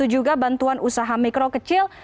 dan juga bantuan usaha mikro kecil